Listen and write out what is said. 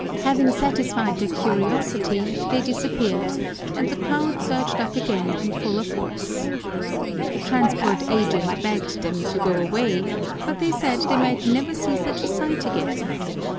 Having satisfied their curiosity they disappeared, and the crowd surged up again in fuller force. The Transport Agent begged them to go away, but they said they might never see such a sight again!